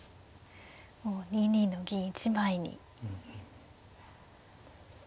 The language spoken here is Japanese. もう２二の銀１枚に。